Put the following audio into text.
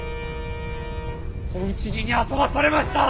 お討ち死にあそばされました。